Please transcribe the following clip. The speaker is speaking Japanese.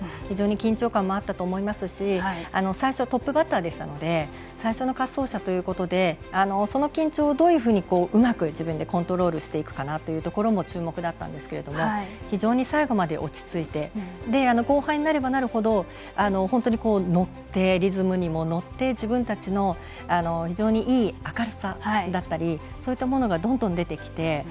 非常に緊張感あったと思いますし最初、トップバッターでしたので最初の滑走者ということでその緊張をどういうふうにうまく自分でコントロールしていくかも注目だったんですけども非常に最後まで落ち着いていて後半になればなるほど本当に乗って、リズムにも乗って自分たちの非常にいい明るさだったりそういったものがどんどん出てきて。